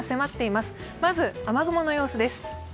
まず雨雲の様子です。